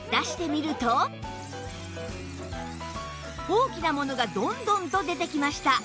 大きな物がどんどんと出てきました